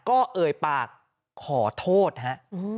ก็เอ่ยปากขอโทษฮะ